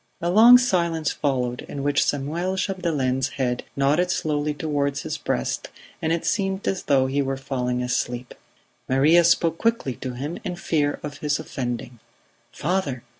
A long silence followed, in which Samuel Chapdelaine's head nodded slowly towards his breast and it seemed as though he were falling asleep. Maria spoke quickly to him, in fear of his offending: "Father!